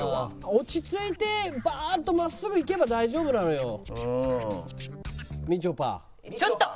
落ち着いてバーッと真っすぐ行けば大丈夫なのよみちょぱ。